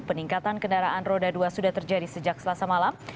peningkatan kendaraan roda dua sudah terjadi sejak selasa malam